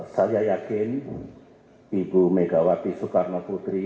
saya yakin ibu megawati soekarno putri